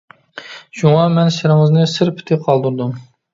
شۇڭا مەن سىرىڭىزنى سىر پېتى قالدۇردۇم.